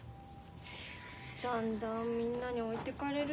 だんだんみんなに置いてかれる。